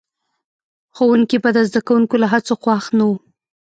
ښوونکي به د زده کوونکو له هڅو خوښ نه وو.